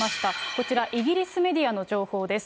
こちら、イギリスメディアの情報です。